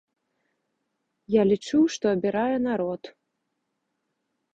Я лічу, што абірае народ.